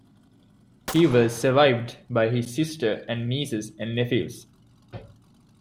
He was survived by his sister and nieces and nephews.